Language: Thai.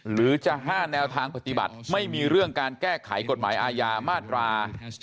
หรือจะ๕แนวทางปฏิบัติไม่มีเรื่องการแก้ไขกฎหมายอาญามาตรา๑๔